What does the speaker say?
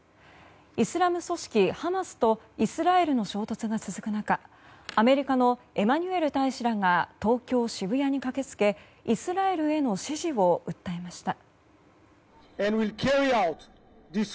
イスラム組織ハマスとイスラエルの衝突が続く中アメリカのエマニュエル大使らが東京・渋谷に駆け付けイスラエルへの支持を訴えました。